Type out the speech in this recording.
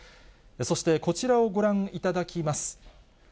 そして、こちらをご覧いただきます。